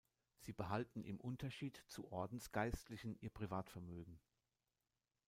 Sie behalten im Unterschied zu Ordensgeistlichen ihr Privatvermögen.